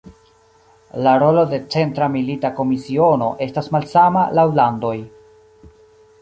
La rolo de Centra Milita Komisiono estas malsama laŭ landoj.